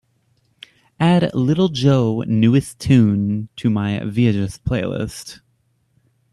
Add little joe newest tune to my viajes playlist